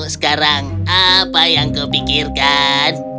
sekarang apa yang kau pikirkan